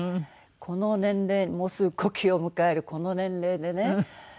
この年齢もうすぐ古希を迎えるこの年齢でね